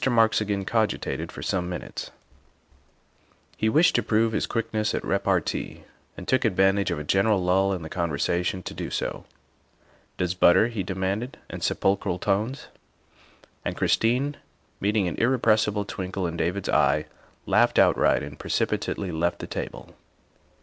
Marks again cogitated for some minutes. He 3 34 THE WIFE OF wished to prove his quickness at repartee, and took advantage of a general lull in the conversation to do so. " Does butter?" he demanded in sepulchral tones. And Christine, meeting an irrespressible twinkle in David's eye, laughed outright and precipitately left the table.